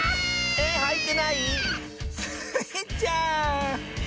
えっはいってない⁉スイちゃん。